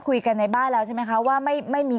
คุยกันในบ้านแล้วใช่ไหมคะว่าไม่มี